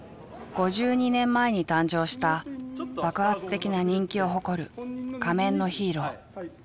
５２年前に誕生した爆発的な人気を誇る仮面のヒーロー。